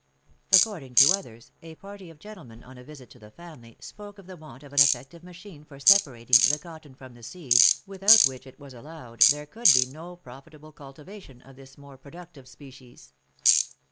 According to others, a party of gentlemen on a visit to the family, spoke of the want of an effective machine for separating the cotton from the seed, without which, it was allowed, there could be no profitable cultivation of this more productive species.